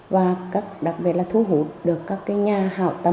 và đặc biệt là thu hút được các dữ liệu của người khuyết tật